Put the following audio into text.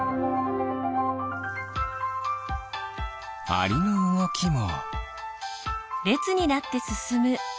アリのうごきも。